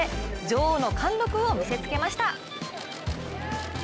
女王の貫禄を見せつけました。